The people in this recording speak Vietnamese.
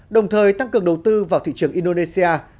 đồng thời tăng cường đầu tư vào thị trường indonesia